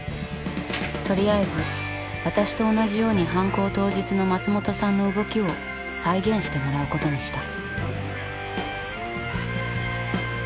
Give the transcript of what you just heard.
とりあえず私と同じように犯行当日の松本さんの動きを再現してもらうことにした。